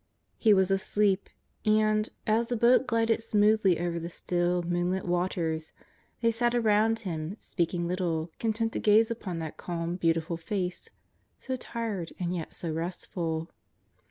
" He was asleep, and, as the boat glided smoothly over the still, moon lit waters, they sat around Him, speak ing little, content to gaze upon that calm, beautiful face, so tired and yet so restful.